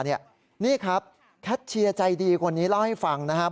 นี่ครับแคทเชียร์ใจดีคนนี้เล่าให้ฟังนะครับ